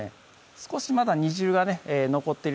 少しまだ煮汁がね残っている